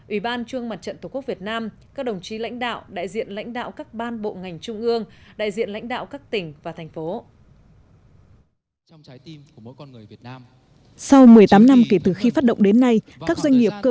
ủy ban trung mặt trận tổ quốc việt nam các đồng chí lãnh đạo đại diện lãnh đạo các ban bộ ngành trung ương đại diện lãnh đạo các tỉnh và thành phố